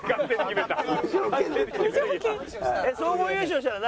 総合優勝したら何？